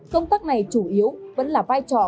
công tác này chủ yếu vẫn là vai trò